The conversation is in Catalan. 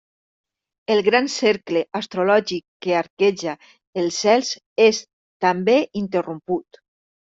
El gran cercle astrològic que arqueja els cels és també interromput.